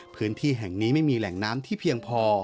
พื้นที่แห่งนี้ไม่มีแหล่งน้ำที่เพียงพอ